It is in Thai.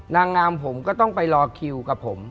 นางงามผมก็ต้องไปรอคิวกับผม